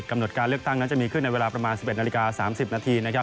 กำหนดการเลือกตั้งนั้นจะมีขึ้นในเวลาประมาณ๑๑นาฬิกา๓๐นาทีนะครับ